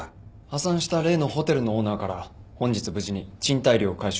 破産した例のホテルのオーナーから本日無事に賃貸料を回収しました。